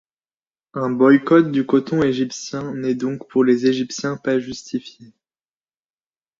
Un boycott du coton égyptien n'est donc, pour les Égyptiens, pas justifié.